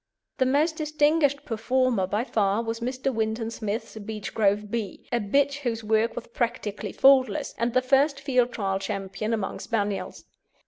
The most distinguished performer by far was Mr. Winton Smith's Beechgrove Bee, a bitch whose work was practically faultless, and the first Field Trial Champion among Spaniels.